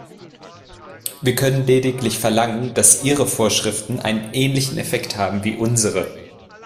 Wir können lediglich verlangen, dass ihre Vorschriften einen ähnlichen Effekt haben wie unsere.